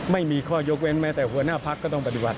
ไม่มีข้อยกเว้นแม้แต่หัวหน้าพักก็ต้องปฏิบัติ